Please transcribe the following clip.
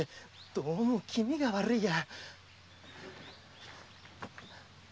どうも気味が悪いや。